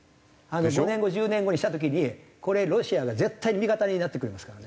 ５年後１０年後にした時にこれロシアが絶対に味方になってくれますからね。